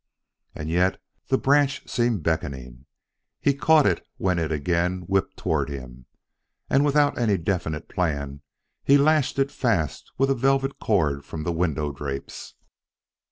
And yet the branch seemed beckoning. He caught it when again it whipped toward him, and, without any definite plan, he lashed it fast with a velvet cord from the window drapes.